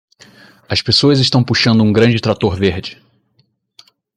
As pessoas estão puxando um grande trator verde.